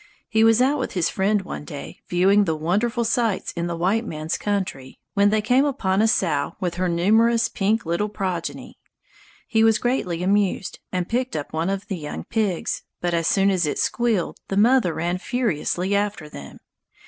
He was out with his friend one day, viewing the wonderful sights in the "white man's country", when they came upon a sow with her numerous pink little progeny. He was greatly amused and picked up one of the young pigs, but as soon as it squealed the mother ran furiously after them.